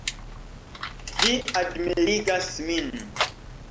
Ĝi admirigas min.